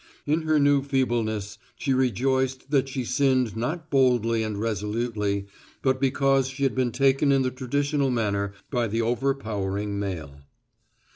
In her new feebleness she rejoiced that she sinned not boldly and resolutely, but because she had been taken in the traditional manner by the overpowering male.